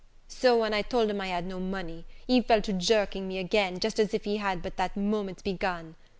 So, when I told him I had no money, he fell to jerking me again, just as if he had but that moment begun!